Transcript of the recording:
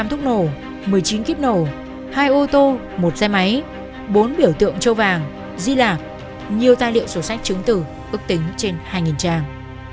ba thúc nổ một mươi chín kiếp nổ hai ô tô một xe máy bốn biểu tượng châu vàng di lạc nhiều tài liệu sổ sách chứng tử ước tính trên hai trang